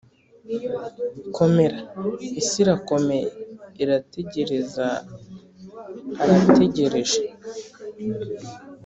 komera, isi irakomeye, irategereza - arategereje -